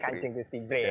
kanjeng gusti bre ya